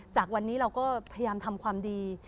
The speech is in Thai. จากวันนี้เราก็พยายามทำความดี